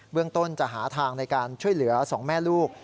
เรื่องต้นจะหาทางในการช่วยเหลือ๒แม่ลูก